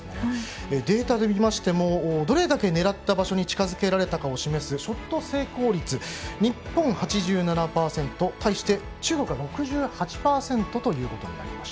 データで見ましてもどれだけ狙った場所に近づけられたかを示すショット成功率日本、８７％対して、中国は６８％でした。